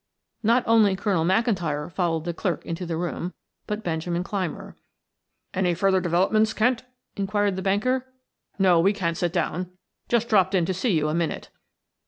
Not only Colonel McIntyre followed the clerk into the room but Benjamin Clymer. "Any further developments, Kent?" inquired the banker. "No, we can't sit down; just dropped in to see you a minute."